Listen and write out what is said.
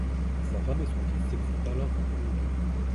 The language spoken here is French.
Sa femme et son fils s'exilent alors en Colombie.